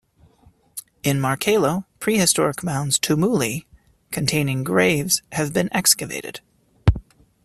In Markelo, prehistoric mounds "tumuli", containing graves have been excavated.